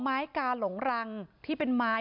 กาหลงรังที่เป็นไม้